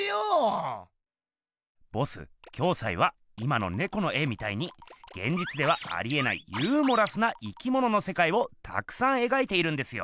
ボス暁斎は今の猫の絵みたいにげんじつではありえないユーモラスな生きもののせかいをたくさんえがいているんですよ。